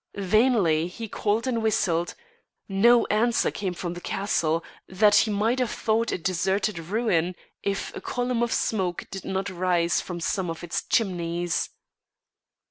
Vainly he called and whistled; no answer came from the castle, that he might have thought a deserted ruin if a column of smoke did not rise from some of its chimneys.